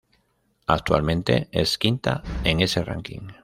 Actualmente es quinta en ese ranking.